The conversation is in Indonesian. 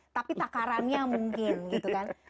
tapi takarannya mungkin